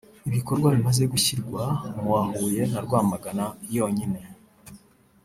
ibikorwa bimaze gushyirwa mu wa Huye na Rwamagana yonyine